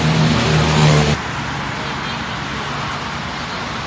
มีสัมภาพรุนิกา